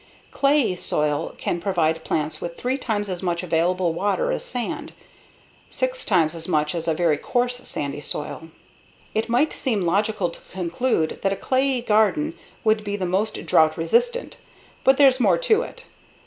Clayey soil can provide plants with three times as much available water as sand, six times as much as a very coarse sandy soil. It might seem logical to conclude that a clayey garden would be the most drought resistant. But there's more to it.